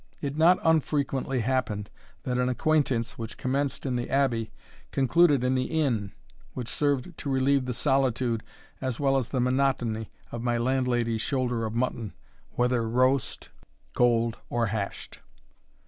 It not unfrequently happened, that an acquaintance which commenced in the Abbey concluded in the inn, which served to relieve the solitude as well as the monotony of my landlady's shoulder of mutton, whether roast, cold, or hashed.